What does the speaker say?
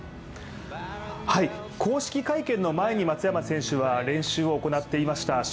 公式会見の前に松山選手は練習を行っていました。